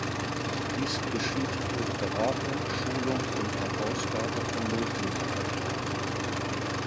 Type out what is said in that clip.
Dies geschieht durch Beratung, Schulung und Herausgabe von Notenmaterial.